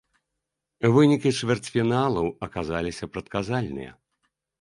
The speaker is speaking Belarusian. Вынікі чвэрцьфіналаў аказаліся прадказальныя.